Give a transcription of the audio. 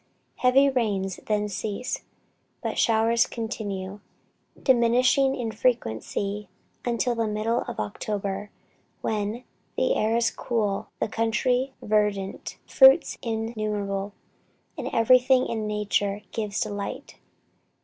Heavy rains then cease, but showers continue, diminishing in frequency until the middle of October, when "the air is cool, the country verdant, fruits innumerable, and everything in nature gives delight."